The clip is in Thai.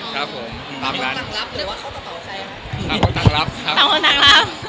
ต่างรับหรือเขาตอบใคร